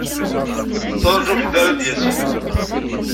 Tettrajum ḥedd ara d-yasen?